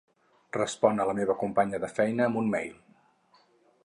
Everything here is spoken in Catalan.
Respon a la meva companya de feina amb un mail.